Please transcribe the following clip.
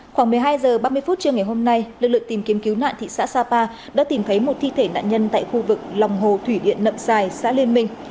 khoảng một mươi hai h ba mươi phút trưa ngày hôm nay lực lượng tìm kiếm cứu nạn thị xã sapa đã tìm thấy một thi thể nạn nhân tại khu vực lòng hồ thủy điện nậm sài xã liên minh